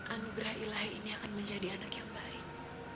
anugerah ilahi ini akan menjadi anak yang baik